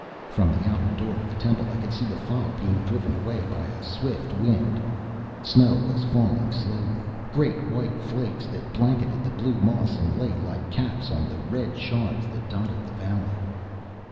From the outer door of the temple I could see the fog being driven away by a swift wind. Snow was falling slowly, great white flakes that blanketed the blue moss and lay like caps on the red shards that dotted the valley.